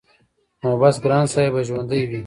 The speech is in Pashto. نو بس ګران صاحب به ژوندی وي-